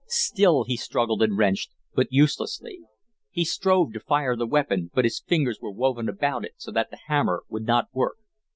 Still he struggled and wrenched, but uselessly. He strove to fire the weapon, but his fingers were woven about it so that the hammer would not work.